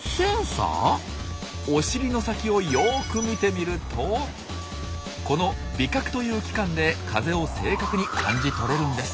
お尻の先をよく見てみるとこの「尾角」という器官で風を正確に感じ取れるんです。